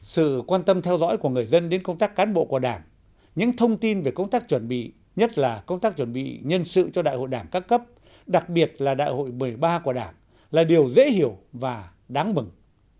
sự quan tâm theo dõi của người dân đến công tác cán bộ của đảng những thông tin về công tác chuẩn bị nhất là công tác chuẩn bị nhân sự cho đại hội đảng các cấp đặc biệt là đại hội một mươi ba của đảng là điều dễ hiểu và đáng mừng